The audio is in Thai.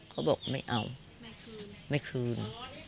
เขาบอกไม่เอาไม่คืน